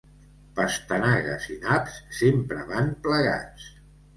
Pastanagues i naps sempre van plegats.